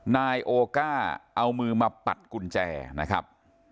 นายโอก้าเอามือมาปัดกุญแจนะครับ